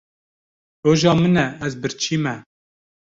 Roja min e ez birçî me.